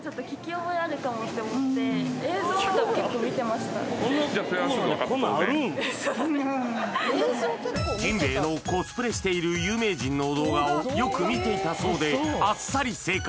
まさかのジンベエのコスプレしている有名人の動画をよく見ていたそうであっさり正解！